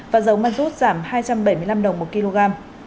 và dầu ma rút giảm hai trăm bảy mươi năm đồng một kg